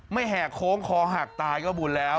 แห่โค้งคอหักตายก็บุญแล้ว